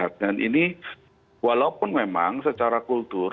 dan ini walaupun memang secara kultur